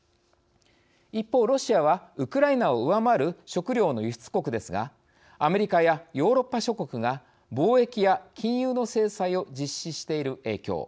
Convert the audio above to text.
一方、ロシアは、ウクライナを上回る食糧の輸出国ですがアメリカやヨーロッパ諸国が貿易や金融の制裁を実施している影響。